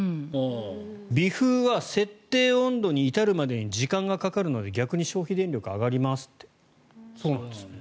微風は設定温度に至るまでに時間がかかるので逆に消費電力が上がりますって。